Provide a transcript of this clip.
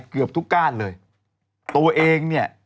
เกือบทุกก้านเลยตัวเองเนี่ย